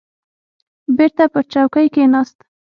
بېرته پر چوکۍ کښېناست.